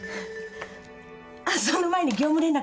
あっその前に業務連絡。